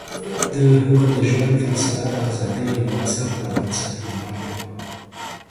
د هغه د ژوند فلسفه د ازادۍ او انصاف پر بنسټ ولاړه وه.